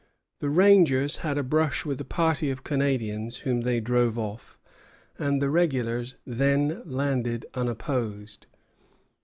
The rangers had a brush with a party of Canadians, whom they drove off, and the regulars then landed unopposed.